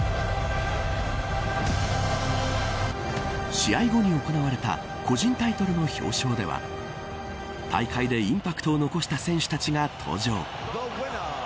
試合後に行われた個人タイトルの表彰では大会でインパクトを残した選手たちが登場。